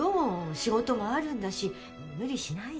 仕事もあるんだし無理しないで。